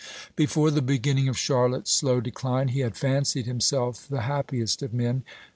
Before the beginning of Charlotte's slow decline he had fancied himself the happiest of men.